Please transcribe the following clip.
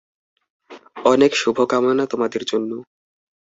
অনেক শুভ কামনা তোমাদের জন্য।